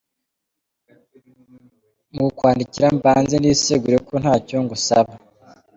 Mu kukwandikira mbanze nisegure ko ntacyo ngusaba.